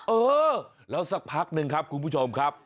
เออแล้วสักพักหนึ่งครับคุณผู้ชมครับ